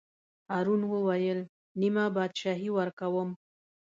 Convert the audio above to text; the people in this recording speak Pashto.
هارون وویل: نیمه بادشاهي ورکووم.